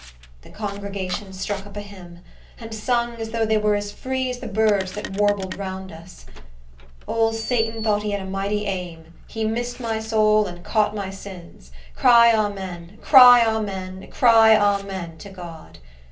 The congregation struck up a hymn, and sung as though they were as free as the birds that warbled round us,— Ole Satan thought he had a mighty aim; He missed my soul, and caught my sins. Cry Amen, cry Amen, cry Amen to God!